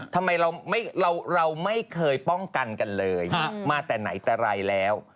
ทำไมเราไม่เคยป้องกันกันเลยมาแต่ไหนแต่ไรแล้ว